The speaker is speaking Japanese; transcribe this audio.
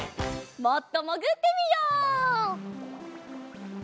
もっともぐってみよう！